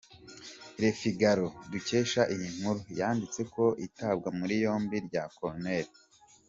L e Figaro dukesha iyi nkuru yanditse ko itabwa muri yombi rya Col.